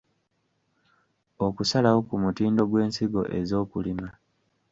Okusalawo ku mutindo gw’ensigo ez’okulima.